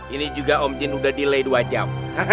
ini juga om jin udah delay dua jam